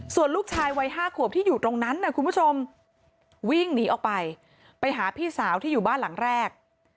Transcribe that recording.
ส่วนลูกชายวัย๕ขวบที่อยู่ตรงนั้นนะคุณผู้ชมวิ่งหนีออกไปไปหาพี่สาวที่อยู่บ้านหลังแรก